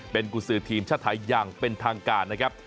เป็นกุศือทีมชาติไทยอย่างเป็นทางการนะครับ